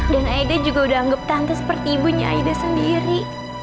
dan aida juga udah anggap tante seperti ibunya aida sendiri